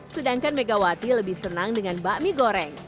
sedangkan megawati lebih senang dengan bakmi goreng